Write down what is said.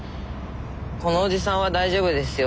このおじさんは大丈夫ですよ。